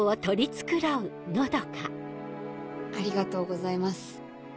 ありがとうございます。